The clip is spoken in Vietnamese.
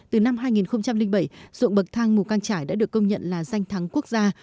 từ năm hai nghìn bảy dụng bậc thang mù căng trải đã được công nhận là danh thắng quốc gia